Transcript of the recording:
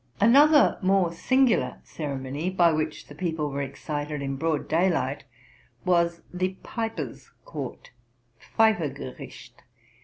Another more singular ceremony, by which the people were excited in broad daylight, was the Piper's Court (Pfeifer gericht).